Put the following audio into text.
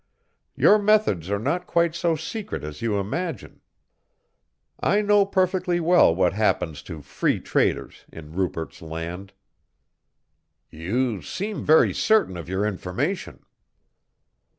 Your methods are not quite so secret as you imagine. I know perfectly well what happens to Free Traders in Rupert's Land." "You seem very certain of your information."